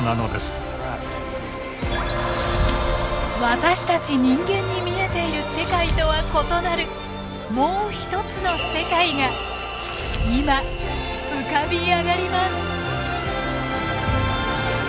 私たち人間に見えている世界とは異なるもうひとつの世界が今浮かび上がります。